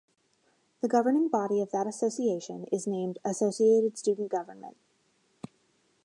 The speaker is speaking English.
The governing body of that association is named "Associated Student Government".